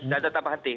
dan tetap berhenti